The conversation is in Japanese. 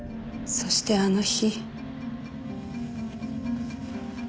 そしてあの日。